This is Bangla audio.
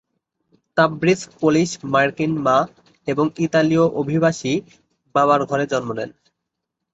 তাবরিজ পোলিশ-মার্কিন মা এবং ইতালীয়-অভিবাসী বাবার ঘরে জন্ম নেন।